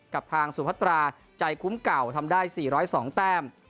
กับทางสุพัตราใจคุ้มเก่าทำได้๔๐๒แต้ม